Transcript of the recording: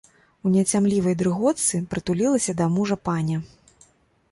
У няцямлівай дрыготцы прытулілася да мужа паня.